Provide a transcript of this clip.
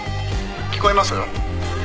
聞こえます？」